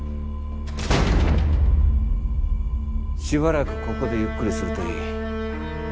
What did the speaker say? しばらくここでゆっくりするといい。